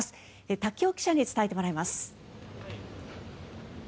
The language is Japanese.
瀧尾記者に伝えてもらいます。